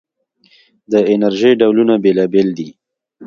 د انرژۍ ډولونه بېلابېل دي.